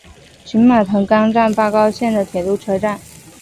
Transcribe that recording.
群马藤冈站八高线的铁路车站。